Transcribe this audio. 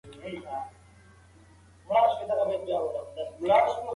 د نثر لیکلو هنر، جادګر هنر او ادبستان د کره کتنې لپاره مفید دي.